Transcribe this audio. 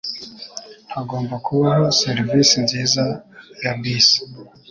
Hagomba kubaho serivisi nziza ya bisi.